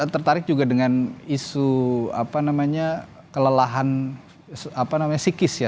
tertarik juga dengan isu kelelahan psikis ya